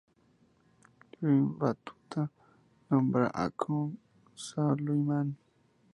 Ibn Battuta nombra a Koh-i Sulaiman.